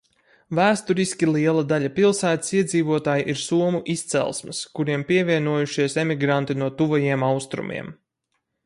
Vēsturiski liela daļa pilsētas iedzīvotāju ir somu izcelsmes, kuriem pievienojušies emigranti no Tuvajiem Austrumiem.